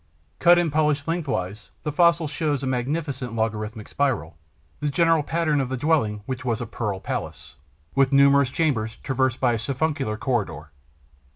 Cut and polished length wise, the fossil shows a magnificent logarithmic spiral, the general pattern of the dwelling which was a pearl palace, with numerous chambers traversed by a siphuncular corridor.